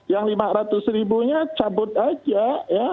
yang lima ratus ribunya cabut aja ya